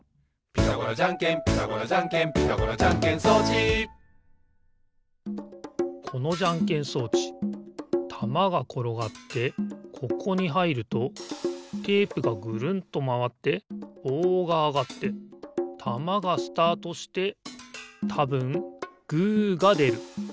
「ピタゴラじゃんけんピタゴラじゃんけん」「ピタゴラじゃんけん装置」このじゃんけん装置たまがころがってここにはいるとテープがぐるんとまわってぼうがあがってたまがスタートしてたぶんグーがでる。